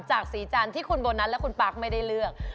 จากสีจันทร์ที่คุณโบนัสและคุณปั๊กไม่ได้เลือก